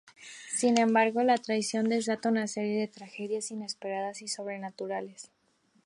Sin embargo, la traición desata una serie de tragedias inesperadas y sobrenaturales.